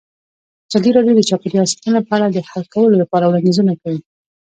ازادي راډیو د چاپیریال ساتنه په اړه د حل کولو لپاره وړاندیزونه کړي.